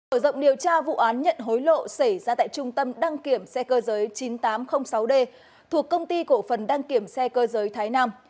mở rộng điều tra vụ án nhận hối lộ xảy ra tại trung tâm đăng kiểm xe cơ giới chín nghìn tám trăm linh sáu d thuộc công ty cổ phần đăng kiểm xe cơ giới thái nam